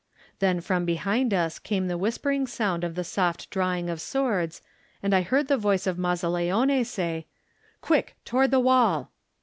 Then from behind us came the whispering sound of the soft drawing of swords, and I heard the voice of Mazzaleone say: "Quick, toward the wall!"